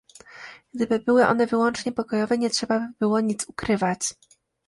Gdyby były one wyłącznie pokojowe, nie trzeba by było nic ukrywać